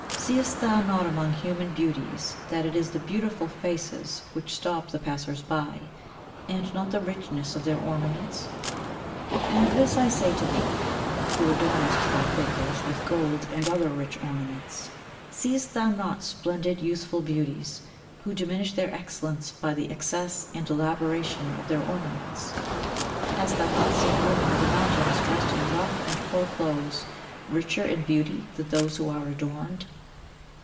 Seest thou not among human beauties that it is the beautiful faces which stop the passers by, and not the richness of their ornaments? And this I say to thee who adornest thy figures with gold and other rich ornaments: Seest thou not splendid, youthful beauties, who diminish their excellence by the excess and elaboration of their ornaments? Hast thou not seen women of the mountains dressed in rough and poor clothes richer in beauty than those who are adorned?